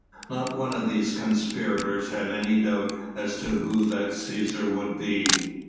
Not one of these conspirators had any doubt as to who that Cæsar would be.